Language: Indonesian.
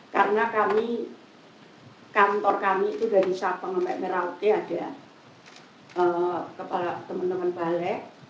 karena kami kantor kami itu dari sapang sampai merauke ada teman teman balek